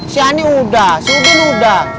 si ani udah si ubin udah